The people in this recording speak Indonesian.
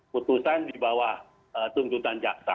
putusan di bawah tuntutan jaksa